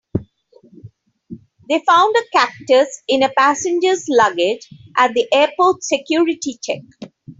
They found a cactus in a passenger's luggage at the airport's security check.